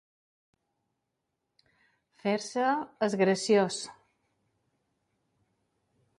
Fer-se el graciós.